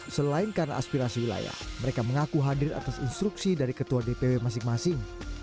selain karena aspirasi wilayah mereka mengaku hadir atas instruksi dari ketua dpw masing masing